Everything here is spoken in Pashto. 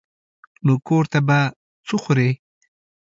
نو کور ته به څه خورې.